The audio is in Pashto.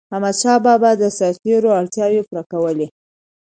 احمدشاه بابا به د سرتيرو اړتیاوي پوره کولي.